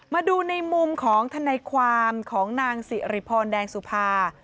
มาดูในมุมของทนายความของนางสิริพรแดงสุภา